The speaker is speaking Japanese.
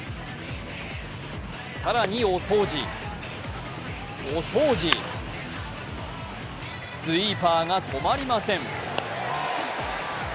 更に、お掃除、お掃除スイーパーが止まりません。